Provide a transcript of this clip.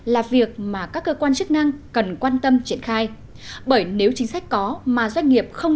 là việc mà các cơ quan chức năng cần quan tâm triển khai bởi nếu chính sách có mà doanh nghiệp không